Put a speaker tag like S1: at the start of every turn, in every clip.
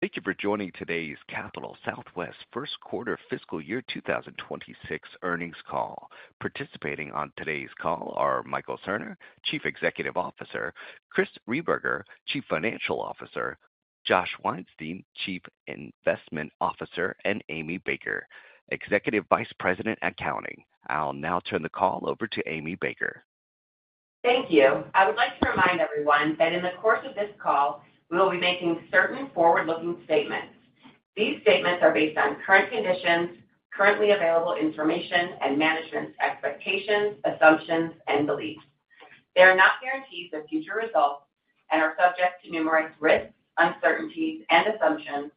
S1: Thank you for joining today's Capital Southwest First Quarter Fiscal Year 2026 Earnings Call. Participating on today's call are Michael Sarner, Chief Executive Officer, Chris Rehberger, Chief Financial Officer, Josh Weinstein, Chief Investment Officer, and Amy Baker, Executive Vice President, Accounting. I'll now turn the call over to Amy Baker.
S2: Thank you. I would like to remind everyone that in the course of this call we will be making certain forward-looking statements. These statements are based on current conditions, currently available information and management's expectations, assumptions and beliefs. They are not guarantees of future results and are subject to numerous risks, uncertainties and assumptions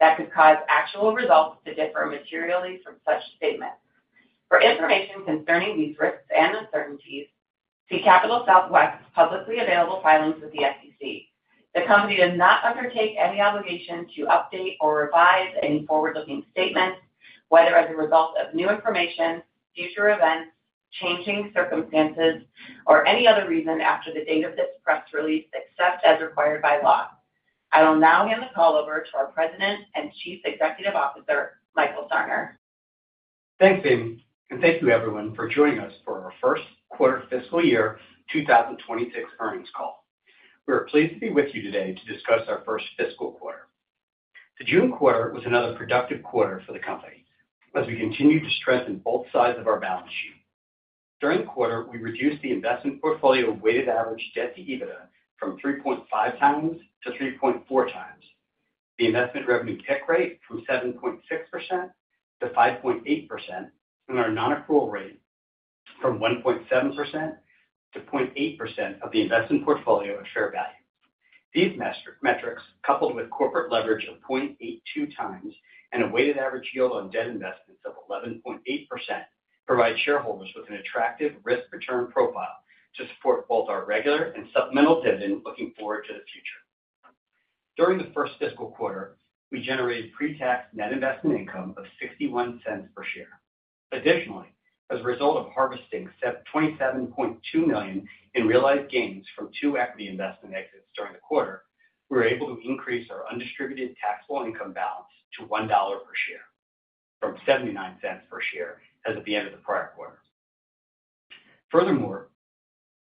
S2: that could cause actual results to differ materially from such statements. For information concerning these risks and uncertainties, see Capital Southwest publicly available filings with the SEC. The company does not undertake any obligation to update or revise any forward-looking statements, whether as a result of new information, future events, changing circumstances or any other reason after the date of this press release, except as required by law. I will now hand the call over to our President and Chief Executive Officer Michael Sarner.
S3: Thanks, Amy, and thank you, everyone. For joining us for our First Quarter Fiscal Year 2026 Earnings Call. We are pleased to be with you today to discuss our first fiscal quarter. The June quarter was another productive quarter for the company as we continue to strengthen both sides of our balance sheet. During the quarter, we reduced the investment portfolio weighted average debt to EBITDA from 3.5x to 3.4x, the investment revenue tick rate from 7.6% to 5.8%, and our non-accrual rate from 1.7% to 0.8% of the investment portfolio at fair value. These metrics, coupled with corporate leverage of 0.82x and a weighted average yield on debt investments of 11.8%, provide shareholders with an attractive risk return profile to support both our regular and supplemental dividend. Looking forward to the future, during the first fiscal quarter we generated pre-tax net investment income of $0.61 per share. Additionally, as a result of harvesting $27.2 million in realized gains from two equity investment exits during the quarter, we were able to increase our undistributed taxable income balance to $1.00 per share from $0.79 per share as at the end of the prior quarter. Furthermore,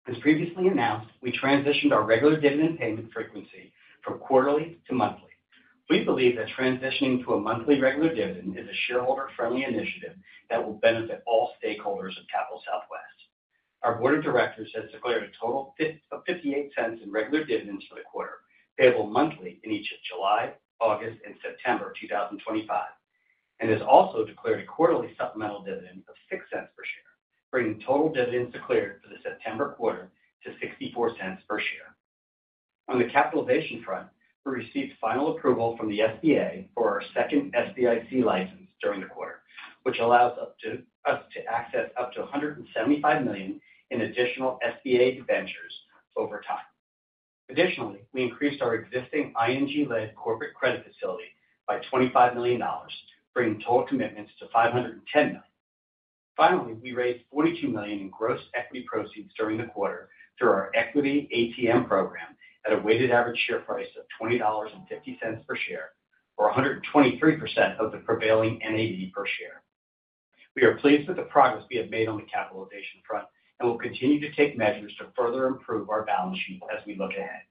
S3: as previously announced, we transitioned our regular dividend payment frequency from quarterly to monthly. We believe that transitioning to a monthly regular dividend is a shareholder-friendly initiative that will benefit all stakeholders of Capital Southwest. Our Board of Directors has declared a total of $0.58 in regular dividends for the quarter payable monthly in each of July, August, and September 2025, and has also declared a quarterly supplemental dividend of $0.06 per share, bringing total dividends declared for the September quarter to $0.64 per share. On the capitalization front, we received final approval from the SBA for our second SBIC license during the quarter, which allows us to access up to $175 million in additional SBA ventures over time. Additionally, we increased our existing ING-led corporate credit facility by $25 million, bringing total commitments to $510 million. Finally, we raised $42 million in gross equity proceeds during the quarter through our equity ATM program at a weighted average share price of $20.50 per share, or 123% of the prevailing NAV per share. We are pleased with the progress we have made on the capitalization front and will continue to take measures to further improve our balance sheet as we look ahead.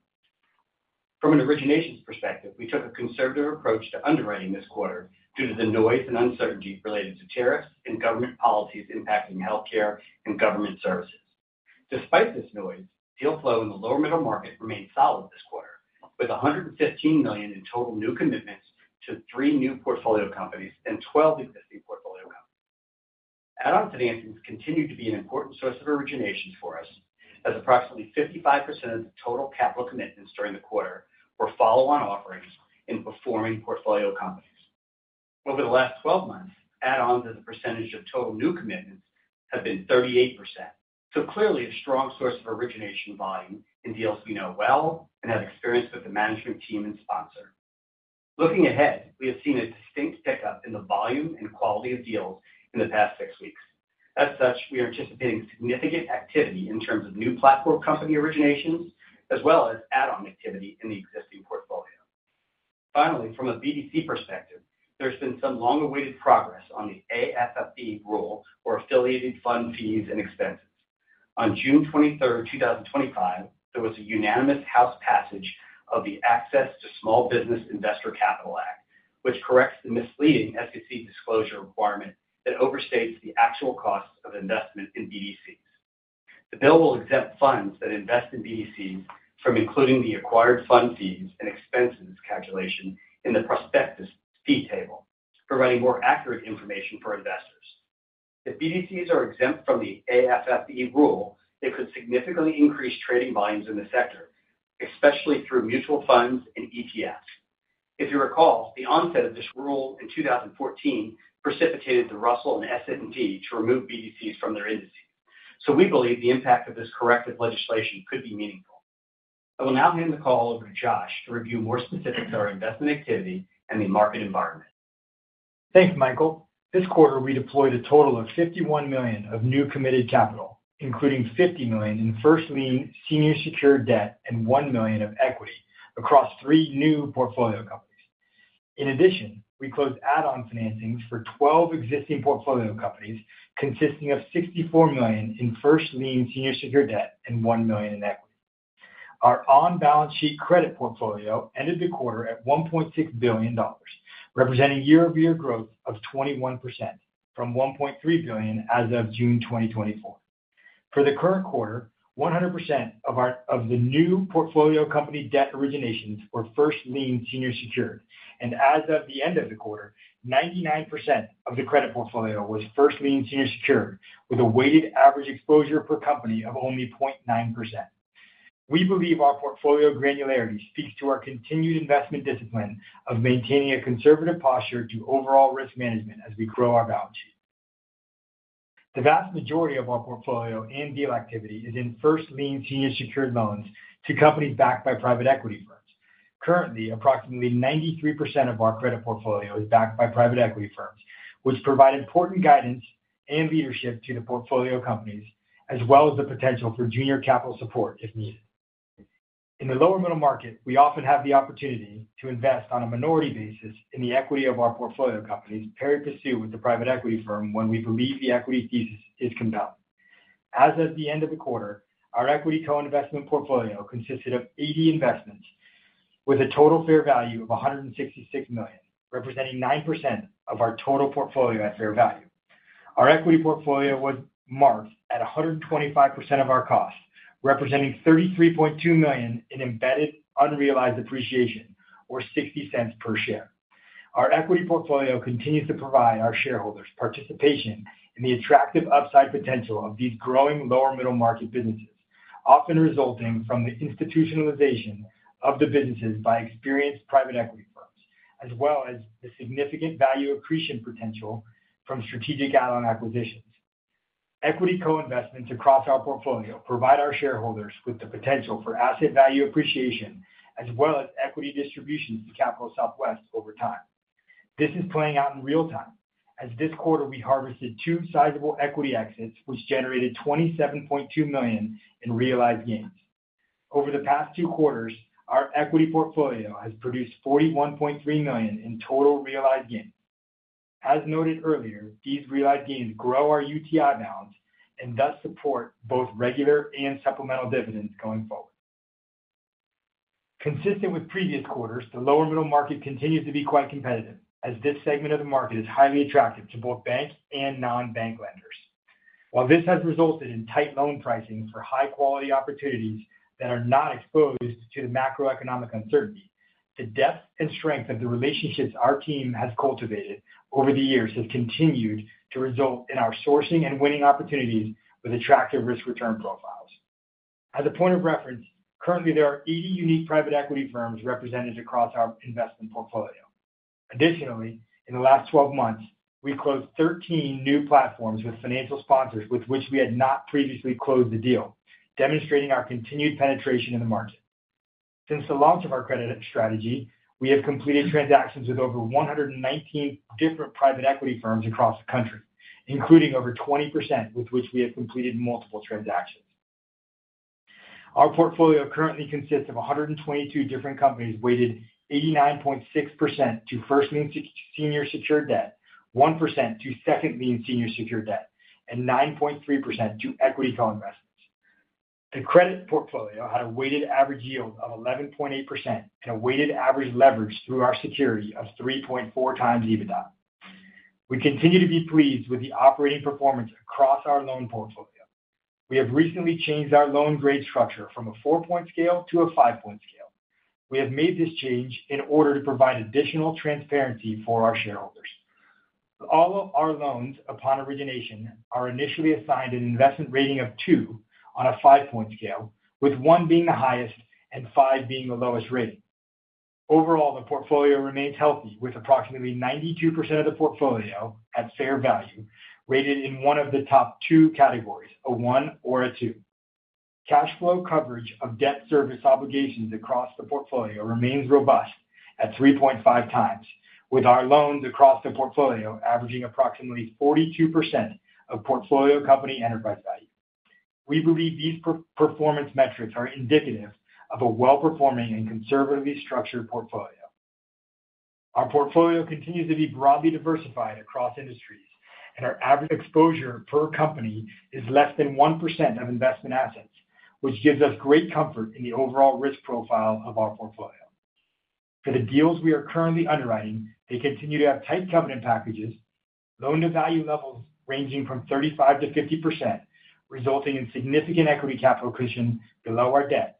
S3: From an originations perspective, we took a conservative approach to underwriting this quarter due. To the noise and uncertainty related to. Tariffs and government policies impacting healthcare and government services. Despite this noise, deal flow in the lower middle market remained solid this quarter with $115 million in total new commitments to three new portfolio companies and 12 existing portfolio companies. Add-on financings continue to be an important source of originations for us as approximately 55% of the total capital commitments during the quarter were follow-on offerings in performing portfolio companies over the last 12 months. Add-ons as a percentage of total. New commitments have been 38%, so clearly a strong source of origination volume in deals we know well and have experience with the management team and sponsor. Looking ahead, we have seen a distinct pickup in the volume and quality of deals in the past six weeks. As such, we are anticipating significant activity in terms of new platform company originations as well as add-on activity in the existing portfolio. Finally, from a BDC perspective, there's been some long-awaited progress on the AFFE rule for affiliated fund fees and expenses. On June 23rd, 2025, there was a unanimous House passage of the Access to Small Business Investor Capital Act, which corrects the misleading efficacy disclosure requirement that overstates the actual cost of investment in BDC. The bill will exempt funds that invest. In BDCs from including the acquired fund fees and expenses calculation in the prospectus fee table, providing more accurate information for investors. If BDCs are exempt from the AFFE rule, they could significantly increase trading volumes in the sector, especially through mutual funds and ETFs. If you recall the onset of this rule in 2014, precipitated the Russell and S&P to remove BDCs from their indices. We believe the impact of this corrective legislation could be meaningful. I will now hand the call over. To Josh to review more specifics, our investment activity and the market environment.
S4: Thanks Michael. This quarter we deployed a total of $51 million of new committed capital, including $50 million in first lien senior secured debt and $1 million of equity across three new portfolio companies. In addition, we closed add-on financings for 12 existing portfolio companies consisting of $64 million in first lien senior secured debt and $1 million in equity. Our on-balance sheet credit portfolio ended the quarter at $1.6 billion, representing year-over-year growth of 21% from $1.3 billion as of June 2024. For the current quarter, 100% of the new portfolio company debt originations were first lien senior secured, and as of the end of the quarter, 99% of the credit portfolio was first lien senior secured with a weighted average exposure per company of only 0.9%. We believe our portfolio granularity speaks to our continued investment discipline of maintaining a conservative posture to overall risk management as we grow our balance sheet. The vast majority of our portfolio and deal activity is in first lien senior secured loans to companies backed by private equity firms. Currently, approximately 93% of our credit portfolio is backed by private equity firms, which provide important guidance and leadership to the portfolio companies as well as the potential for junior capital support if needed. In the lower middle market, we often have the opportunity to invest on a minority basis in the equity of our portfolio companies pursuant with the private equity firm when we believe the equity thesis is compelling. As of the end of the quarter, our equity co-investment portfolio consisted of 80 investments with a total fair value of $166 million, representing 9% of our total portfolio. At fair value, our equity portfolio was marked at 125% of our cost, representing $33.2 million in embedded unrealized appreciation or $0.60 per share. Our equity portfolio continues to provide our shareholders participation in the attractive upside potential of these growing lower middle market businesses, often resulting from the institutionalization of the. Businesses by experienced private equity firms. As the significant value accretion potential from strategic add-on acquisitions, equity co-investments across our portfolio provide our shareholders with the potential for asset value appreciation as well as equity distributions to Capital Southwest over time. This is playing out in real time as this quarter we harvested two sizable equity exits which generated $27.2 million in realized gains over the past two quarters. Our equity portfolio has produced $41.3 million in total realized gains. As noted earlier, these realized gains grow our UTI balance and thus support both regular and supplemental dividends going forward. Consistent with previous quarters, the lower middle market continues to be quite competitive as this segment of the market is highly attractive to both bank and non-bank lenders. While this has resulted in tight loan pricing for high quality opportunities that are not exposed to the macroeconomic uncertainty, the depth and strength of the relationships our team has cultivated over the years has continued to result in our sourcing and winning opportunities with attractive risk-return profiles. As a point of reference, currently there are 80 unique private equity firms represented across our investment portfolio. Additionally, in the last 12 months we closed 13 new platforms with financial sponsors with which we had not previously closed a deal, demonstrating our continued penetration in the market. Since the launch of our credit strategy, we have completed transactions with over 119 different private equity firms across the country, including over 20% with which we have completed multiple transactions. Our portfolio currently consists of 122 different companies weighted 89.6% to first lien senior secured debt, 1% to second lien senior secured debt, and 9.3% to equity co-investments. The credit portfolio had a weighted average yield of 11.8% and a weighted average leverage through our security of 3.4x EBITDA. We continue to be pleased with the operating performance across our loan portfolio. We have recently changed our loan grade structure from a four-point scale to a five-point scale. We have made this change in order to provide additional transparency for our shareholders. All our loans upon origination are initially assigned an investment rating of two on a five-point scale, with one being the highest and five being the lowest rating. Overall, the portfolio remains healthy with approximately 92% of the portfolio at fair value rated in one of the top two categories, a one or a two. Cash flow coverage of debt service obligations across the portfolio remains robust at 3.5x, with our loans across the portfolio averaging approximately 42% of portfolio company enterprise value. We believe these performance metrics are indicative of a well performing and conservatively structured portfolio. Our portfolio continues to be broadly diversified across industries, and our average exposure per company is less than 1% of investment assets, which gives us great comfort in the overall risk profile of our portfolio for the deals we are currently underwriting. They continue to have tight covenant packages, loan to value levels ranging from 35%-50%, resulting in significant equity capital accretion below our debt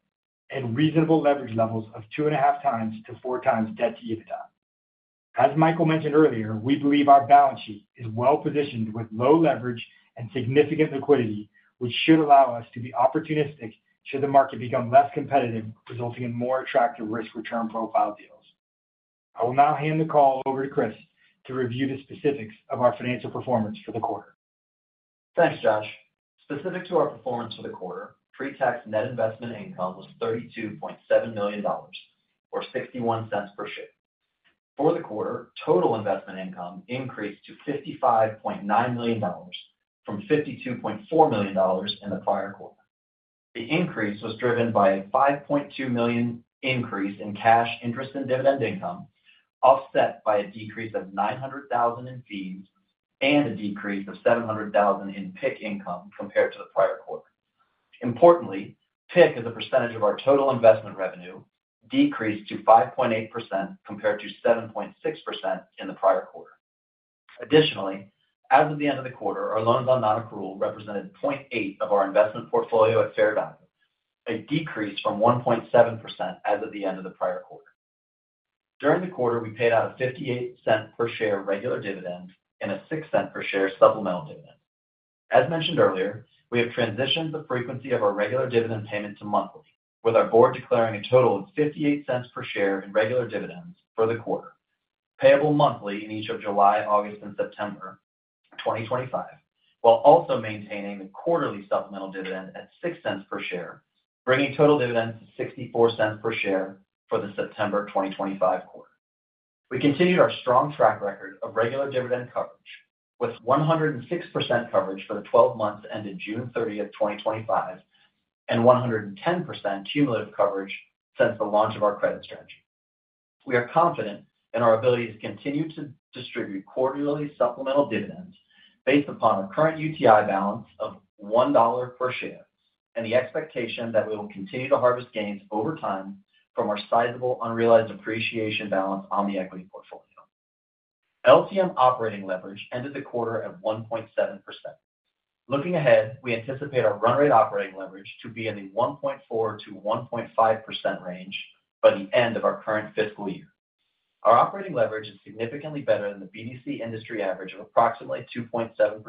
S4: and reasonable leverage levels of 2.5x-4x debt to EBITDA. As Michael mentioned earlier, we believe our balance sheet is well positioned with low leverage and significant liquidity, which should allow us to be opportunistic should the market become less competitive, resulting in more attractive risk return profile deals. I will now hand the call over to Chris to review the specifics of our financial performance for the quarter.
S5: Thanks, Josh. Specific to our performance for the quarter, pre-tax net investment income was $32.7 million or $0.61 per share. For the quarter, total investment income increased to $55.9 million from $52.4 million in the prior quarter. The increase was driven by a $5.2 million increase in cash interest and dividend income, offset by a decrease of $900,000 in fees and a decrease of $700,000 in PIK income compared to the prior quarter. Importantly, PIK as a percentage of our total investment revenue decreased to 5.8% compared to 7.6% in the prior quarter. Additionally, as of the end of the quarter, our loans on non-accrual represented 0.8% of our investment portfolio at fair value, a decrease from 1.7% as of the end of the prior quarter. During the quarter, we paid out a $0.58 per share regular dividend and a $0.06 per share supplemental dividend. As mentioned earlier, we have transitioned the frequency of our regular dividend payment to monthly, with our board declaring a total of $0.58 per share in regular dividends for the quarter payable monthly in each of July, August, and September 2025, while also maintaining the quarterly supplemental dividend at $0.06 per share, bringing total dividends to $0.64 per share for the September 2025 quarter. We continued our strong track record of regular dividend coverage with 106% coverage for the 12 months ended June 30th, 2025, and 110% cumulative coverage since the launch of our credit strategy. We are confident in our ability to continue to distribute quarterly supplemental dividends based upon our current UTI balance of $1 per share and the expectation that we will continue to harvest gains over time from our sizable unrealized depreciation balance on the equity portfolio. LCM operating leverage ended the quarter at 1.7%. Looking ahead, we anticipate our run rate operating leverage to be in the 1.4% to 1.5% range by the end of our current fiscal year. Our operating leverage is significantly better than the BDC industry average of approximately 2.7%,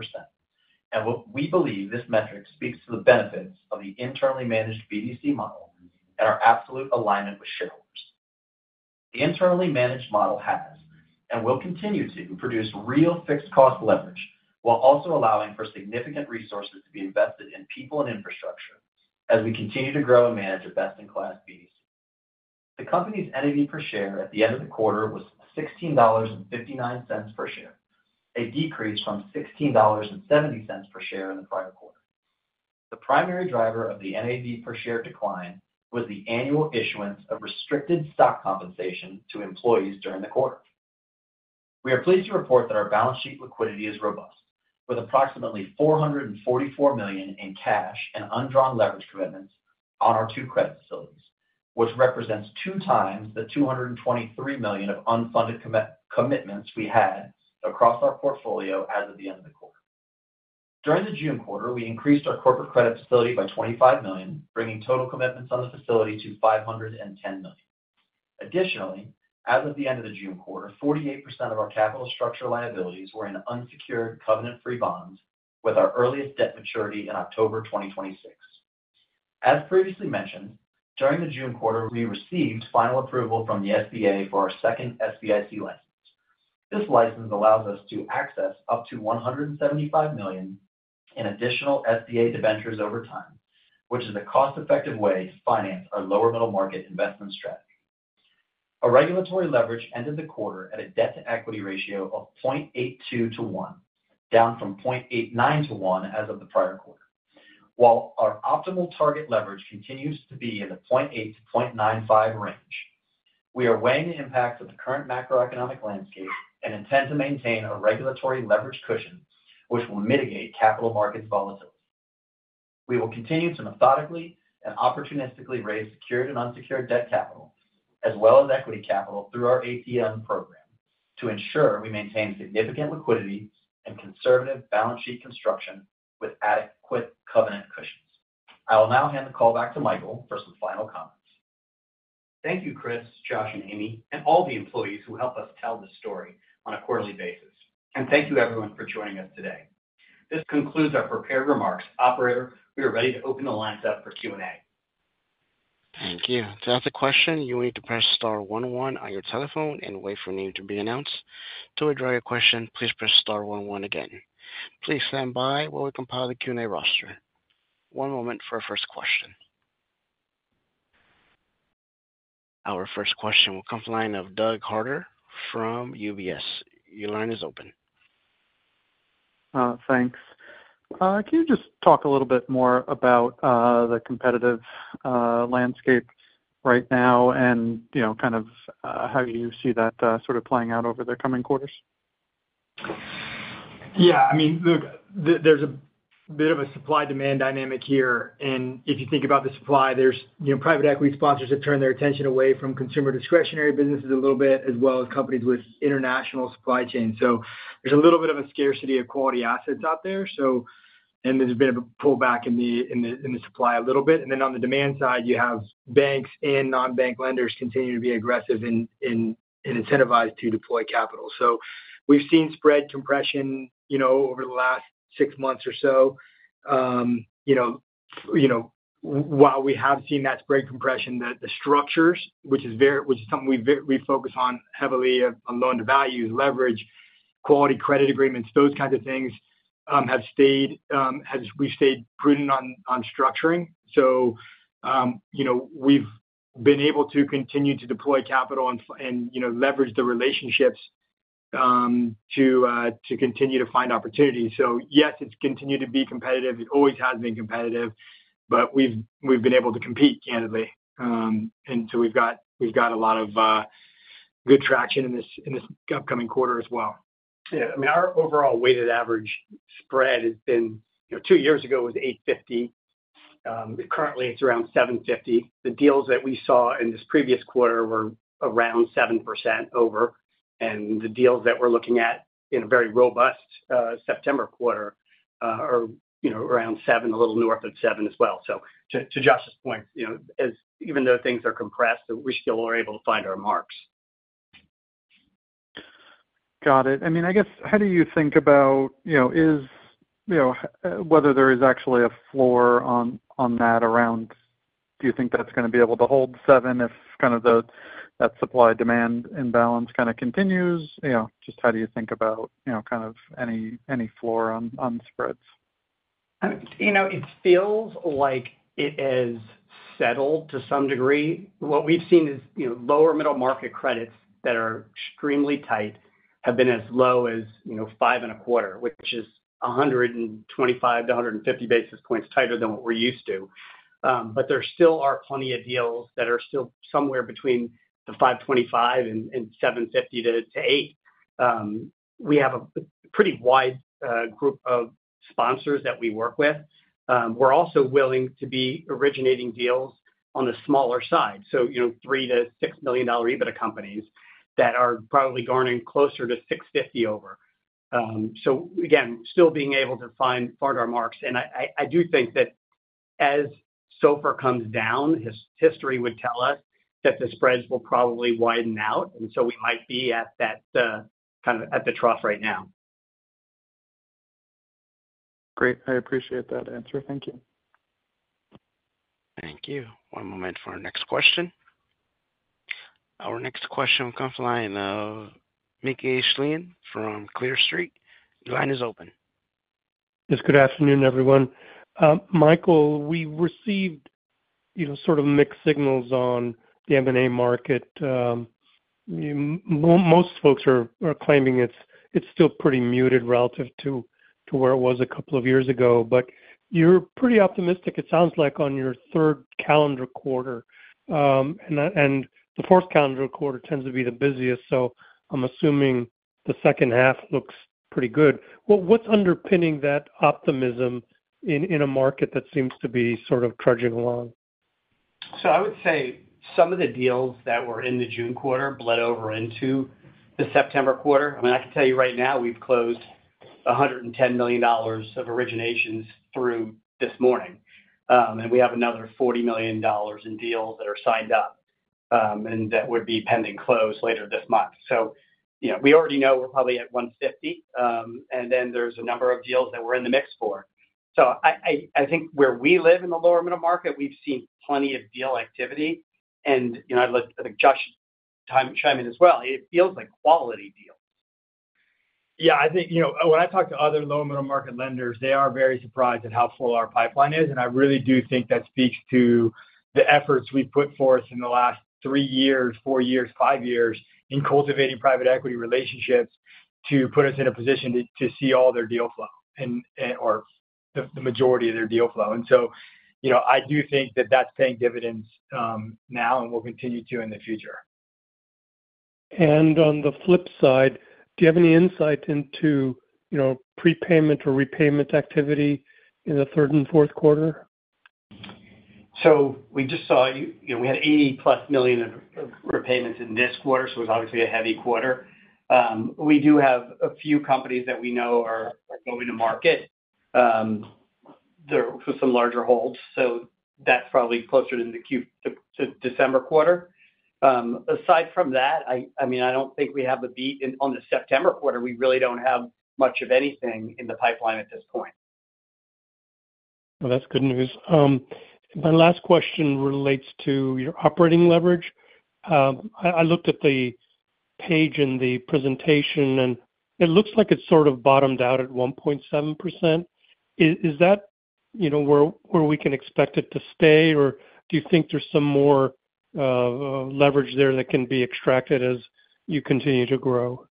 S5: and we believe this metric speaks to the benefits of the internally managed BDC model and our absolute alignment with shareholders. The internally managed model has and will continue to produce real fixed cost leverage while also allowing for significant resources to be invested in people and infrastructure as we continue to grow and manage a best in class BDC. The company's NAV per share at the end of the quarter was $16.59 per share, a decrease from $16.70 per share in the prior quarter. The primary driver of the NAV per share decline was the annual issuance of restricted stock compensation to employees during the quarter. We are pleased to report that our balance sheet liquidity is robust with approximately $444 million in cash and undrawn leverage commitments on our two credit facilities, which represents two times the $223 million of unfunded commitments we had across our portfolio as of the end of the quarter. During the June quarter, we increased our corporate credit facility by $25 million, bringing total commitments on the facility to $510 million. Additionally, as of the end of the June quarter, 48% of our capital structure liabilities were in unsecured covenant free bonds with our earliest debt maturity in October 2026. As previously mentioned, during the June quarter we received final approval from the SBA for our second SBIC license. This license allows us to access up to $175 million in additional SBA debentures over time, which is a cost effective way to finance our lower middle market investment strategy. Our regulatory leverage ended the quarter at a debt to equity ratio of 0.82:1, down from 0.89:1 as of the prior quarter. While our optimal target leverage continues to be in the 0.8-0.95 range, we are weighing the impacts of the current macroeconomic landscape and intend to maintain a regulatory leverage cushion which will mitigate capital markets volatility. We will continue to methodically and opportunistically raise secured and unsecured debt capital as well as equity capital through our ATM program to ensure we maintain significant liquidity and conservative balance sheet construction with adequate covenant cushions. I will now hand the call back to Michael for some final comments.
S3: Thank you Chris, Josh and Amy and all the employees who help us tell the story on a quarterly basis, and thank you everyone for joining us today. This concludes our prepared remarks. Operator, we are ready to open the. Lines up for Q&A.
S1: Thank you. To ask a question, you need to press star one one on your telephone and wait for you to be announced. To withdraw your question, please press star one one again. Please stand by while we compile the Q&A roster. One moment for our first question. Our first question will come from the line of Doug Harter from UBS. Your line is open.
S6: Thanks. Can you just talk a little bit more about the competitive landscape right now, and you know, kind of how you see that sort of playing out over the coming quarters?
S4: Yeah, I mean, look, there's a bit of a supply-demand dynamic here, and if you think about the supply, there's, you know, private equity sponsors have turned their attention away from consumer discretionary businesses. A little bit as well as companies. With international supply chain, there's a little bit of a scarcity of quality assets out there, and there's a bit of a pullback in the supply a little bit. On the demand side, you have banks and non-bank lenders continue to be aggressive and incentivized to deploy capital. We've seen spread compression over the last six months or so. While we have seen that spread compression, the structures, which is something we focus on heavily—loan to value, leverage, quality credit agreements, those kinds of things—have stayed. We stayed prudent on structuring. We've been able to continue to deploy capital and leverage the relationships to continue to find opportunities. It's continued to be competitive; it always has been competitive, but we've been able to compete candidly, and we've got a lot of good traction in this upcoming quarter as well.
S3: Yeah, I mean our overall weighted average spread has been, you know, two years ago it was 850. Currently, it's around 750. The deals that we saw in this previous quarter were around 7% over, and the deals that we're looking at in a very robust September quarter are, you know, around 7%, a little north of 7% as well. To Josh's point, even though things are compressed, we still. Are able to find our marks.
S6: Got it. I mean, I guess, how do you. Think about whether there is actually a floor on that around. Do you think that's going to be able to hold 7% if the supply demand imbalance continues? How do you think about any floor on spreads?
S3: You know, it feels like it is settled to some degree. What we've seen is, you know, lower middle market credits that are extremely tight have been as low as, you know, 5.25%, which is 125-150 basis points tighter than what we're used to. There still are plenty of deals that are still somewhere between the 5.25% and 7.50% to 8%. We have a pretty wide group of sponsors that we work with. We're also willing to be originating deals on the smaller side. You know, $3 million-$6 million EBITDA companies that are probably garnering closer to 6.50% over. Again, still being able to find [far DAR marks]. I do think that as SOFR comes down, history would tell us that the spreads will probably widen out. We might be at that kind of at the trough right now.
S6: Great. I appreciate that answer. Thank you.
S1: Thank you. One moment for our next question. Our next question comes from the line of Mickey Schleien from Clear Street. Line is open.
S7: Yes. Good afternoon everyone. Michael, we received sort of mixed signals on the M&A market. Most folks are claiming it's still pretty muted relative to where it was a couple of years ago. You're pretty optimistic, it sounds like, on your third calendar quarter and the fourth calendar quarter tends to be the busiest. I'm assuming the second half looks pretty good. What's underpinning that optimism in a market that seems to be sort of trudging along?
S3: I would say some of the deals that were in the June quarter bled over into the September quarter. I can tell you right now we've closed $110 million of originations through this morning, and we have another $40 million in deals that are signed up and would be pending close later this month. We already know we're probably at $150 million, and there's a number of deals that we're in the mix for. I think where we live in the lower middle market, we've seen plenty of deal activity. I let Josh chime in as well. It feels like a quality deal.
S4: Yeah, I think when I talk to other low middle market lenders, they are very surprised at how full our pipeline is. I really do think that speaks to the efforts we put forth in the last three years, four years, five years in cultivating private equity relationships to put us in a position to see all their deal flow or the majority of their deal flow. I do think that that's paying dividends now and will continue to in the future.
S7: Do you have any insight into, you know, prepayment or repayment activity in the third and fourth quarter?
S3: We just saw, you know, we. Had $80 million+ of repayments in this quarter. It's obviously a heavy quarter. We do have a few companies that we know are going to market there, some larger holds. That's probably posted in the Q to December quarter. Aside from that, I don't think we have a beat in on the September quarter. We really don't have much of anything. In the pipeline at this point.
S6: That's good news. My last question relates to your operating leverage. I looked at the page in the presentation and it looks like it's sort of bottomed out at 1.7%. Is that where we can expect it to stay or do you think there's some more leverage there that can be extracted as you continue to grow?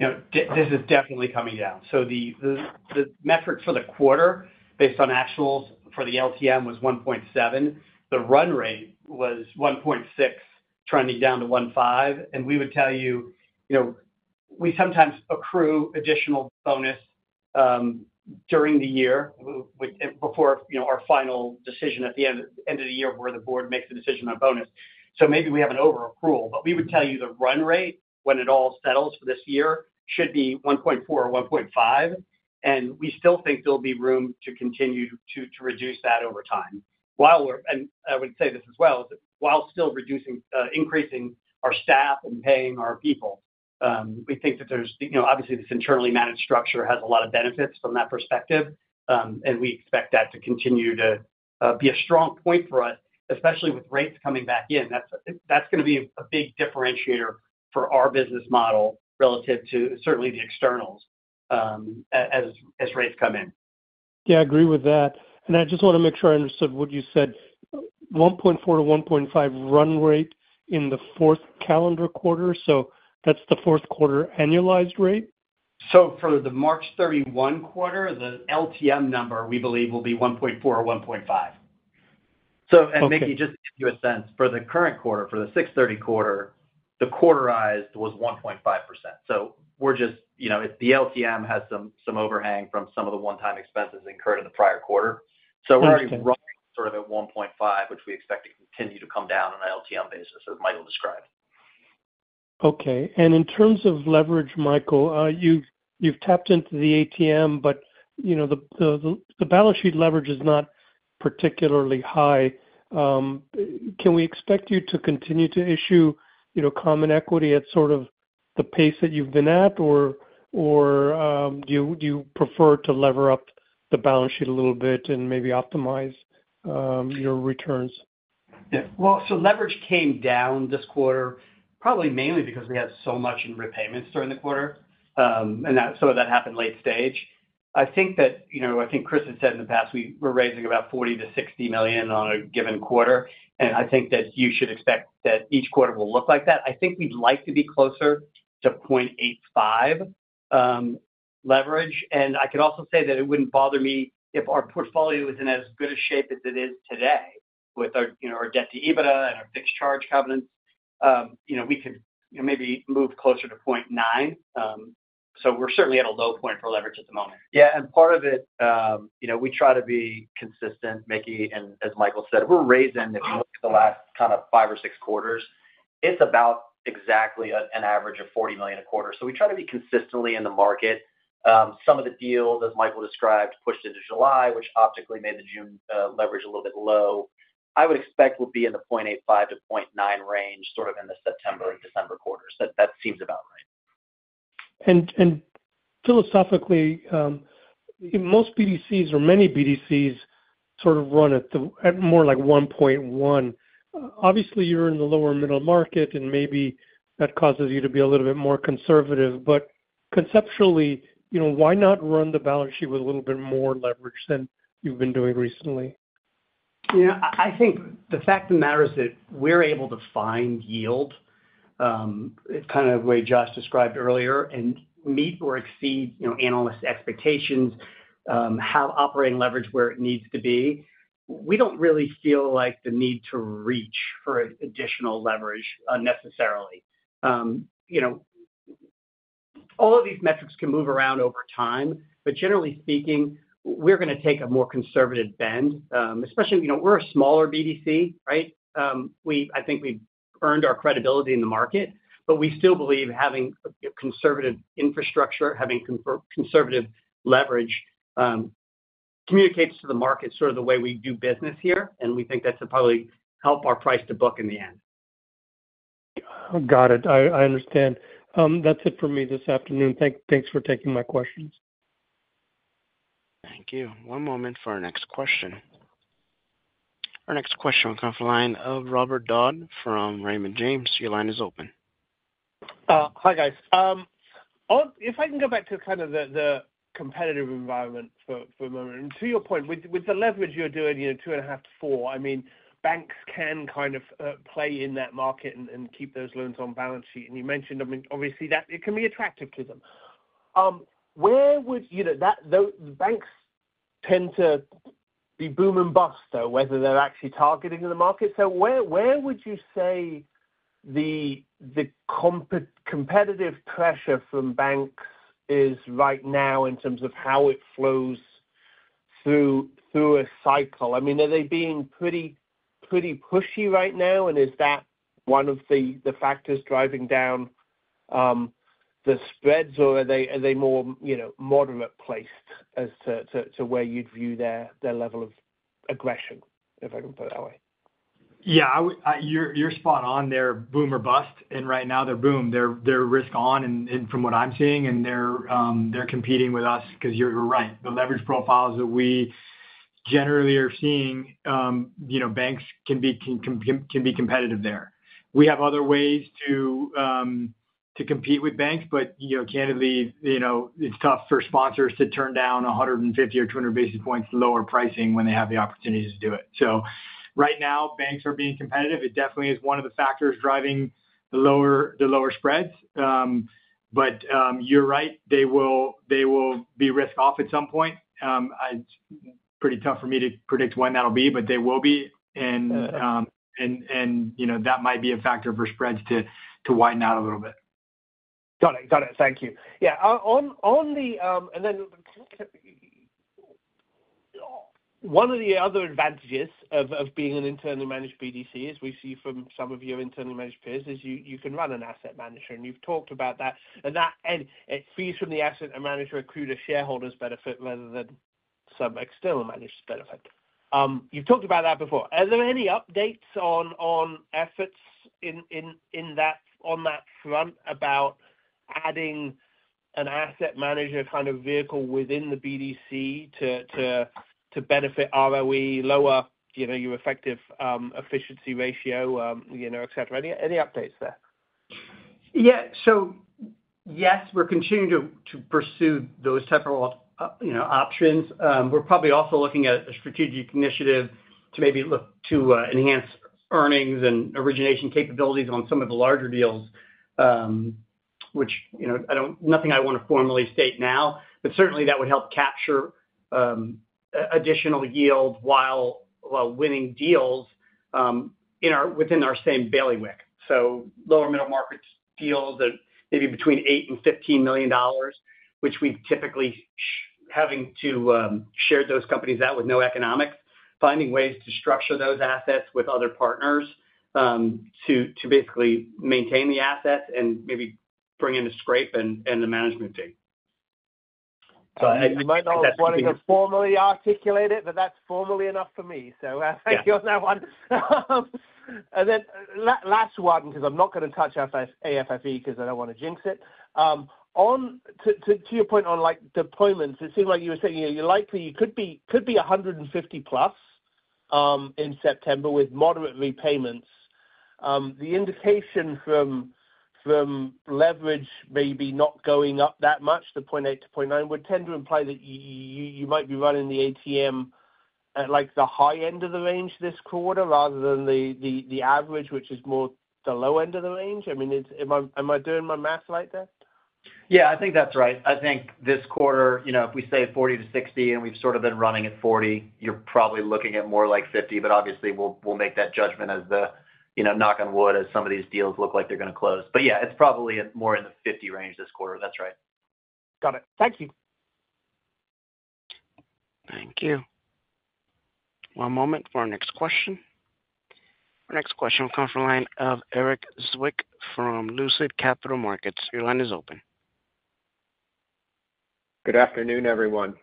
S3: Now this is definitely coming down. The metric for the quarter based on actuals for the LTM was 1.7. The run rate was 1.6, trending down to 1.5. We would tell you, you know, we sometimes accrue additional bonus during the year before our final decision at the end of the year where the board makes the decision on bonus. Maybe we have an over accrual, but we would tell you the run rate when it all settles for this year should be 1.4 or 1.5. We still think there'll be room to continue to reduce that over time while we're, and I would say this as well, while still reducing, increasing our staff and paying our people. We think that there's, you know, obviously this internally managed structure has a lot of benefits from that perspective and we expect that to continue to be a strong point for us especially with rates coming back in. That's going to be a big differentiator for our business model relative to certainly the externals as rates come in.
S6: Yeah, I agree with that, and I just want to make sure I understood what you said. $1.4 to $1.5 run rate in the fourth calendar quarter. That's the fourth quarter annualized rate.
S3: For the March 31 quarter, the LTM number we believe will be 1.4 or 1.5.
S5: Maybe just give a sense for the current quarter. For the 6/30 quarter, the quarterized was 1.5%. We're just, you know, the LTM has some overhang from some of the one-time expenses incurred in the prior quarter. We're already sort of at 1.5%, which we expect to continue to come down on an LTM basis as Michael described.
S6: Okay. In terms of leverage, Michael, you've tapped into the ATM, but the balance sheet leverage is not particularly high. Can we expect you to continue to issue common equity at sort of the pace that you've been at, or do you prefer to lever up the balance sheet a little bit and maybe optimize your returns?
S3: Yeah, leverage came down this quarter probably mainly because we have so much in repayments during the quarter and that happened late stage. I think that, you know, I think Chris has said in the past we were raising about $40 million-$60 million on a given quarter. I think that you should expect that each quarter will look like that. I think we'd like to be closer to 0.85 leverage. I can also say that it wouldn't bother me if our portfolio is in as good a shape as it is today with our debt to EBITDA and our fixed charge covenant. You know, we could maybe move closer to 0.9. We're certainly at a low point. For leverage at the moment.
S5: Part of it is, you know. We try to be consistent, Mickey. As Michael said, we're raising, if you look at the last kind of five or six quarters, it's about exactly an average of $40 million a quarter. We try to be consistently in the market. Some of the deals, as Michael described, pushed into July, which optically made the June leverage a little bit low. I would expect we'll be in the 0.85 to 0.9 range, sort of in the September and December quarters. That seems about right.
S7: Most BDCs or many BDCs sort of run at more like 1.1. Obviously you're in the lower middle market and maybe that causes you to be a little bit more conservative, but conceptually, you know, why not run the balance sheet with a little bit more leverage than you've been doing recently?
S3: Yeah, I think the fact of the matter is that we're able to find yield kind of way Josh described earlier and meet or exceed, you know, analysts' expectations, have operating leverage where it needs to be. We don't really feel like the need to reach for additional leverage unnecessarily. All of these metrics can move around over time, but generally speaking, we're going to take a more conservative bend. Especially, you know, we're a smaller BDC. Right. I think we've earned our credibility in the market, but we still believe having conservative infrastructure, having conservative leverage communicates to the market sort of the way we do business here. We think that's a probably help. Our price to book in the end.
S7: Got it. I understand. That's it for me this afternoon. Thanks for taking my questions.
S1: Thank you. One moment for our next question. Our next question comes online of Robert Dodd from Raymond James. Your line is open.
S8: Hi guys. If I can go back to kind of the competitive environment for a moment and to your point, with the leverage you're doing, you know, two and a half to four, I mean, banks can kind of play in that market and keep those loans on balance sheet. You mentioned, I mean obviously that it can be attractive to them. Where would you know that banks tend to be boom and bust though, whether they're actually targeting the market? Where would you say the competitive pressure from banks is right? Now in terms of how it flows through a cycle? I mean, are they being pretty pushy right now, and is that one of the factors driving down the spreads, or are they more, you know, moderate placed as to where you'd aggression? If I can put it that way.
S3: Yeah, you're spot on. They're boom or bust and right now they're boom. They're risk on from what I'm seeing. They're competing with us because you're right, the leverage profiles that we generally are seeing, banks can be competitive there. We have other ways to compete with banks, but candidly, it's tough for sponsors to turn down 150 or 200 basis points lower pricing when they have the opportunity to do it. Right now banks are being competitive. It definitely is one of the factors driving the lower spreads. You're right, they will be risk off at some point. Pretty tough for me to predict when that'll be, but they will be and that might be a factor for spreads to widen out a little bit.
S8: Got it. Got it. Thank you. Yeah. One of the other advantages of being an internally managed BDC, as we see from some of your internally managed peers, is you can run an asset manager and you've talked about that. It feeds from the asset and manager accrued to shareholders' benefit rather than some external manager benefit. You've talked about that before. Are there any updates on efforts on that front about adding an asset manager kind of vehicle within the BDC to benefit ROE, lower your effective efficiency ratio, etc. Any updates there?
S3: Yes, we're continuing to pursue those type of options. We're probably also looking at a strategic initiative to maybe look to enhance earnings and origination capabilities on some of the larger deals, which, you know, nothing I want to formally state now, but certainly that would help capture additional yield while winning deals within our same bailiwick. Lower middle market deals, maybe between $8 million and $15 million, which we've typically having to share those companies out with no economic, finding ways to structure those assets with other partners to basically maintain the assets and maybe bring in a scrape and the management date.
S8: You might not want to formally articulate it, but that's formally enough for me. Thank you on that one, and then last one because I'm not going to touch AFFE because I don't want to jinx it. To your point on deployments, it seemed like you were saying you're likely, you could be, could be $150 million+ in September with moderate repayments. The indication from leverage maybe not going up that much. The 0.8 to 0.9 would tend to. Imply that you might be running the ATM program at the high end of the range this quarter rather than the average, which is more the low end of the range. Am I doing my math right there?
S3: Yeah, I think that's right. I think this quarter, if we say 40 to 60, and we've sort of. Been running at 40, you're probably looking. At more like 50. Obviously, we'll make that judgment as, you know, knock on wood, as some of these deals look like they're going to close. Yeah, it's probably more in the $50 million range this quarter. That's right.
S8: Got it. Thank you.
S1: Thank you. One moment for our next question. Our next question will come from the line of Erik Zwick from Lucid Capital Markets. Your line is open.
S9: Good afternoon, everyone.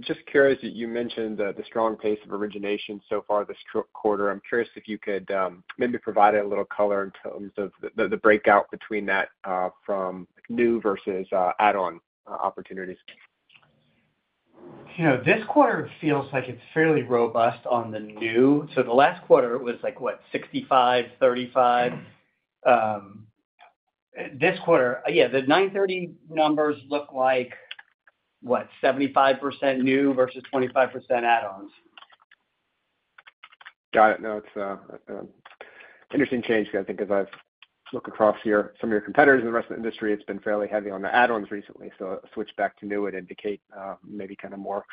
S9: Just curious that you mentioned the strong. Pace of origination so far this quarter. I'm curious if you could maybe provide a little color in terms of the breakout between that from new versus add on opportunities.
S3: You know, this quarter feels like it's fairly robust on the new. The last quarter was like, what, 65, 35. This quarter? Yeah. The 9/30 numbers look like what, 75% new versus 25% add-ons.
S8: Got it. No, it's interesting change. I think as I look across here, some of your competitors in the rest of the industry, it's been fairly heavy on the add ons recently. To switch back to new would indicate maybe kind of more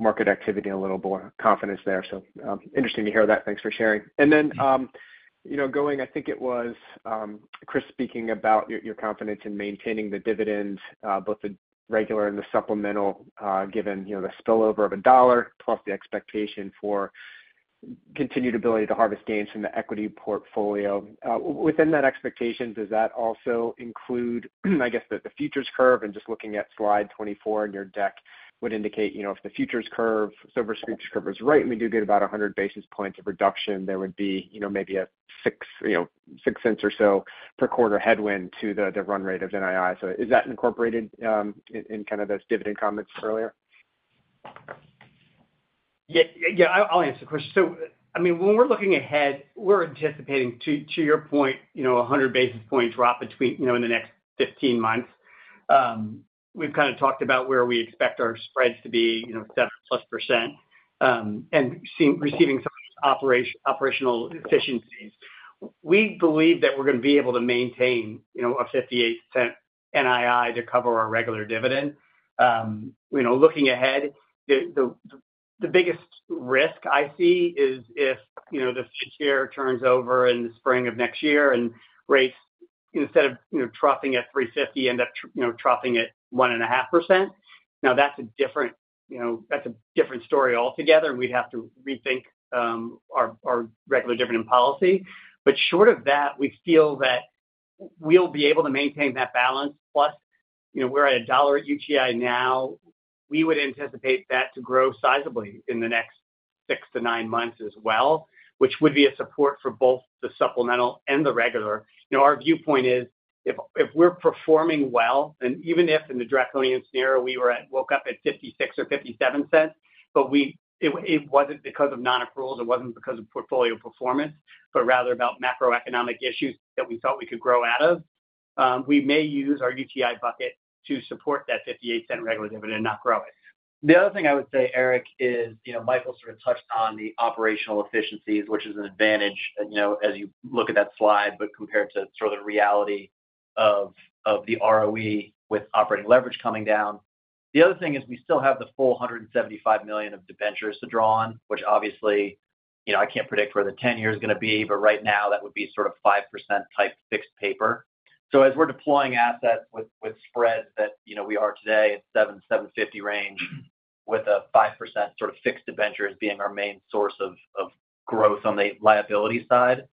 S8: market activity, a little more confidence there. Interesting to hear that. Thanks for sharing. I think it was. Chris, speaking about your confidence in maintaining the dividend, both the regular and the supplemental, given, you know, the spillover of $1 plus the expectation for continued ability to harvest gains from the equity portfolio within that expectation. Does that also include, I guess, the futures curve? Just looking at slide 24 in your deck would indicate, you know, if the futures curve is right, we do get about 100 basis points of reduction. There would be, you know, maybe a $0.06 or so per quarter headwind to the run rate of NII. Is that incorporated in kind of those dividend comments earlier?
S5: Yeah, I'll answer the question. When we're looking ahead, we're anticipating, to your point, a 100 basis points drop in the next 15 months. We've kind of talked about where we expect our spreads to be, plus percent, and seeing, receiving some operational efficiencies. We believe that we're going to be able to maintain $0.58 NII to cover our regular dividend. Looking ahead, the biggest risk I see is if the share turns over in the spring of next year and rates, instead of troughing at 3.50%, end up troughing at 1.5%. Now that's a different story altogether, and we'd have to rethink our regular dividend policy. Short of that, we feel that we'll be able to maintain that balance. Plus, we're at $1.00 UTI now. We would anticipate that to grow sizably in the next six to nine months as well, which would be a support for both the supplemental and the regular. Our viewpoint is, if we're performing well, and even if in the draconian scenario we woke up at $0.56 or $0.57, but it wasn't because of non-accruals, it wasn't because of portfolio performance, but rather about macroeconomic issues that we thought we could grow out of, we may use our UTI bucket to support that $0.58 regular dividend and not grow it. The other thing I would say, Erik. Michael sort of touched on the operational efficiencies, which is an advantage as you look at that slide, but compared to the reality of the ROE with operating leverage coming down. The other thing is we still have the full $175 million of debentures to draw on, which obviously I can't predict where the 10-year is going to be, but right now that would be sort of 5% type fixed paper. As we're deploying assets with spread that we are today at 7%-7.50% range with a 5% sort of fixed debenture as being our main source of growth on the liability side,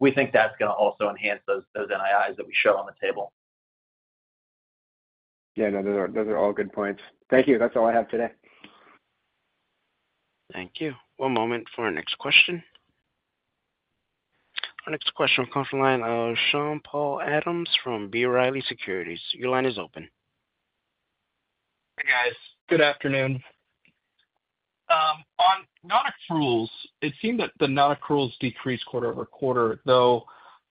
S5: we think that's going to also enhance those NII that we show on the table.
S8: Yeah, those are all good points. Thank you. That's all I have today.
S1: Thank you. One moment for our next question. Our next question comes online. Sean-Paul Adams from B. Riley Securities. Your line is open.
S10: Hey guys. Good afternoon. On non-accruals, it seemed that the. Non-accruals decreased quarter-over-quarter. Though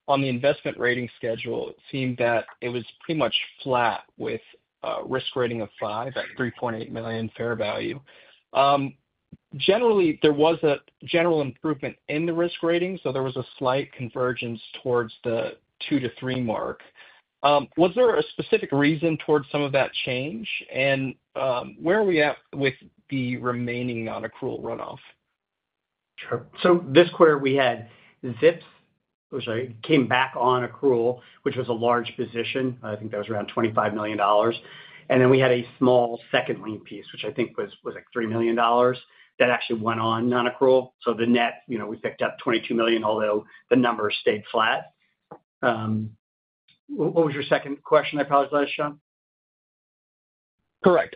S10: on the investment rating schedule, it seemed that it was pretty much flat. With risk rating of five at $3.8 million fair value, generally there was a general improvement in the risk rating. There was a slight convergence towards the two to three mark. Was there a specific reason towards some? Of that change, where are we? At with the remaining non-accrual runoff?
S3: This quarter we had [Zips], which came back on accrual, which was a large position. I think that was around $25 million. We had a small second lien piece, which I think was like $3 million, that actually went on non-accrual. The net, you know, we picked up $22 million, although the number stayed flat. What was your second question? I apologize, Sean.
S10: Correct.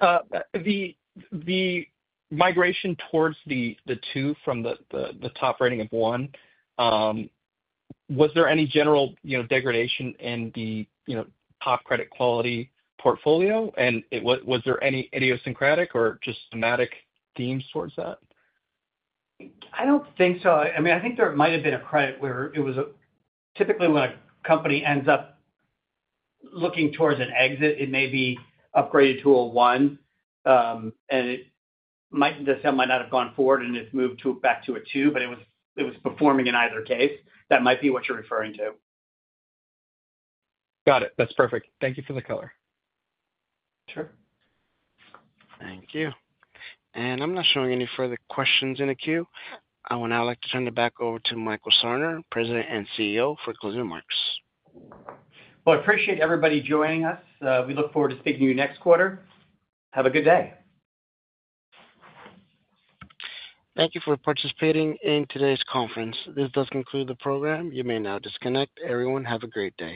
S10: The migration towards the two from the top rating of one, was there any general degradation in the top credit quality portfolio? Was there any idiosyncratic or just thematic themes towards that?
S3: I don't think so. I think there might have. Been a credit where it was a. Typically, when a company ends up looking towards an exit, it may be upgraded to a one, and the sale might not have gone forward and it's moved back to a two, but it was performing in either case. That might be what you're referring to.
S10: Got it. That's perfect. Thank you for the color.
S1: Thank you. I'm not showing any further questions in the queue. I would now like to turn it back over to Michael Sarner, President and CEO, for closing remarks.
S3: I appreciate everybody joining us. We look forward to speaking to you next quarter. Have a good day.
S1: Thank you for participating in today's conference. This does conclude the program. You may now disconnect, everyone. Have a great day.